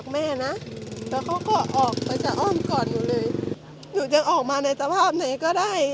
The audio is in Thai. มาไม่ใส่ได้